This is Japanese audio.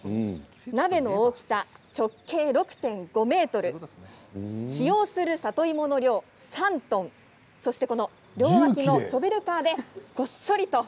鍋の大きさは直径６．５ｍ使用する里芋の量は３トンそして両脇をショベルカーでごっそりと。